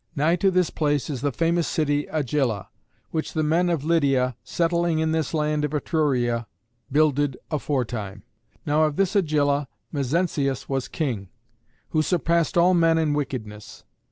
Nigh to this place is the famous city Agylla, which the men of Lydia, settling in this land of Etruria, builded aforetime. Now of this Agylla Mezentius was king, who surpassed all men in wickedness.